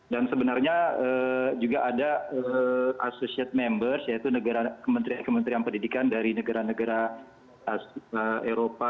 dan sebenarnya juga ada associate members yaitu kementerian kementerian pendidikan dari negara negara eropa